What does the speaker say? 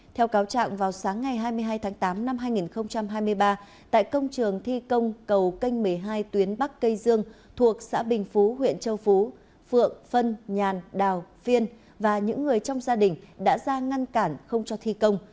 theo cáo trạng vào sáng ngày hai mươi hai tháng tám năm hai nghìn hai mươi ba tại công trường thi công cầu canh một mươi hai tuyến bắc cây dương thuộc xã bình phú huyện châu phú phượng phân nhàn đào phiên và những người trong gia đình đã ra ngăn cản không cho thi công